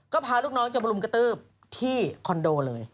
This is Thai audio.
ก็พาลูกน้องจะมารุมกระตืบที่คอนโดเลย